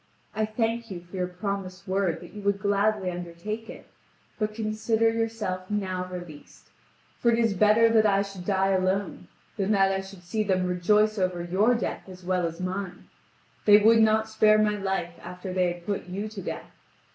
I thank you for your promised word that you would gladly undertake it, but consider yourself now released, for it is better that I should die alone than that I should see them rejoice over your death as well as mine; they would not spare my life after they had put you to death.